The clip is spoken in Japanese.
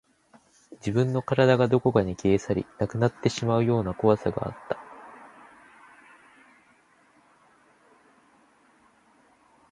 自分の体がどこかに消え去り、なくなってしまうような怖さがあった